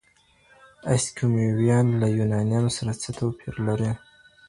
اسکیمویان له یونانیانو سره څه توپیر لري؟